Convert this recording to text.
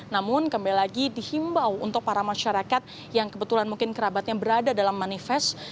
namun kembali lagi dihimbau untuk para masyarakat yang kebetulan mungkin kerabatnya berada dalam manifest